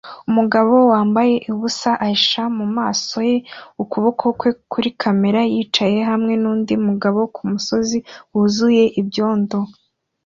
Umugabo wambaye ubusa ahisha mu maso ye ukuboko kwe kuri kamera yicaye hamwe nundi mugabo kumusozi wuzuye ibyondo